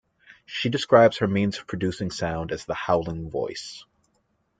She describes her means of producing sound as the "howling voice".